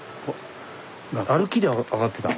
歩きで上がってたの？